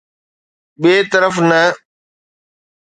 ٻئي طرف نه.